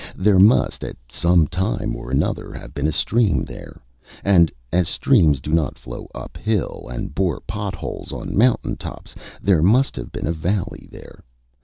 There must at some time or another have been a stream there; and as streams do not flow uphill and bore pot holes on mountain tops, there must have been a valley there.